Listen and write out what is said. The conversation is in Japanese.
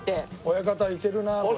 親方いけるなこれ。